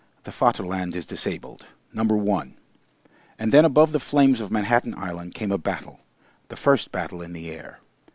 THE "VATERLAND" IS DISABLED 1 And then above the flames of Manhattan Island came a battle, the first battle in the air.